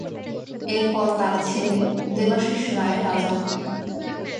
এরপর তার ছেলে দেবাশীষ রায় রাজা হন।